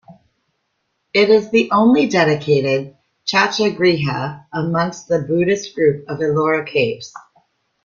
It is the only dedicated chaitya griha amongst the Buddhist group of Ellora caves.